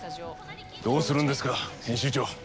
どうするんですか編集長。